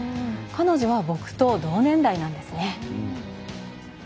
彼女は、僕と同年代なんです。